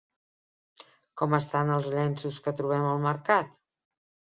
Com estan els llenços que trobem al mercat?